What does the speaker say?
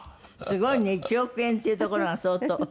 すごいね１億円っていうところが相当。